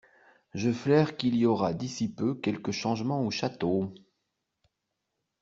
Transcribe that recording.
Je flaire qu'il y aura d'ici peu quelque changement au Château.